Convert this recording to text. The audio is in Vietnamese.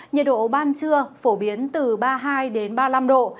nhiệt độ ban trưa phổ biến từ ba mươi hai ba mươi năm độ